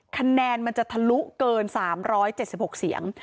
คะแนนมันจะทะลุเกิน๓๗๖เสียง